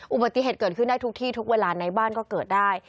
อุบัติเหตุเกิดขึ้นได้ทุกที่ทุกเวลาในบ้านก็เกิดได้